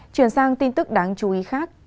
chuyển sang tin tức đáng chú ý khác